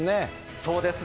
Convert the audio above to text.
そうですね。